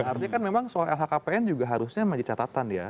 artinya kan memang soal lhkpn juga harusnya menjadi catatan ya